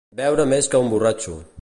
Beure més que un borratxo.